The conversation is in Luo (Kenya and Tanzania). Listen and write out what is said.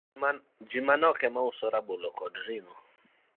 ji manok emane uso rabolo koda ring'o.